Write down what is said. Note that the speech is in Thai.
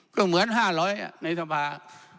ก็เหมือน๕๐๐ในสภา